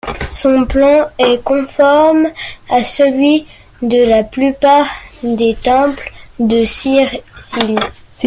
Son plan est conforme à celui de la plupart des temples de Sicile.